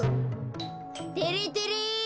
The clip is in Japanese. てれてれ！